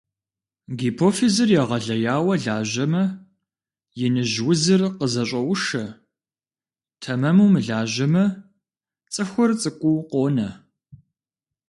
Гипофизыр егъэлеяуэ лажьэмэ, иныжь узыр къызэщӀоушэ, тэмэму мылажьэмэ - цӀыхур цӀыкӀуу къонэ.